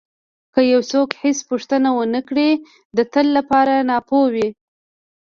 که یو څوک هېڅ پوښتنه ونه کړي د تل لپاره ناپوه وي.